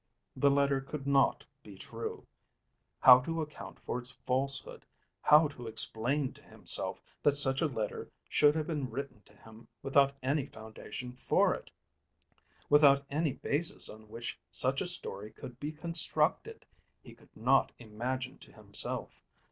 The letter could not be true. How to account for its falsehood, how to explain to himself that such a letter should have been written to him without any foundation for it, without any basis on which such a story could be constructed, he could not imagine to himself.